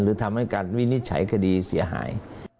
หรือทำให้การวินิจฉัยคดีเสียหาย